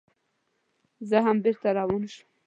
زه هم بېرته روان شوم.